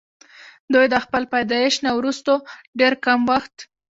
دوي د خپل پيدائش نه وروستو ډېر کم وخت